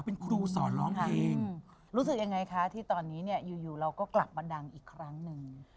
เป็นครูสอนร้องเพลงรู้สึกยังไงคะที่ตอนนี้เนี่ยอยู่เราก็กลับมาดังอีกครั้งหนึ่ง